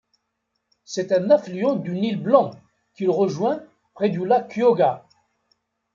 C'est un afffluent du Nil Blanc qu'il rejoint près du lac Kyoga.